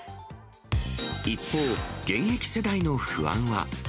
一方、現役世代の不安は。